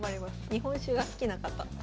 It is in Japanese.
日本酒が好きな方。